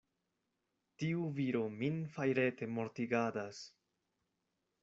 Tiu viro min fajrete mortigadas.